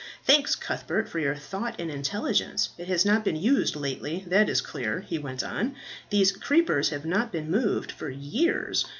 Thanks, Cuthbert, for your thought and intelligence. It has not been used lately, that is clear," he went on. "These creepers have not been moved for years.